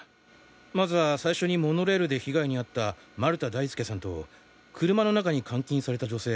まずは最初にモノレールで被害にあった丸田大輔さんと車の中に監禁された女性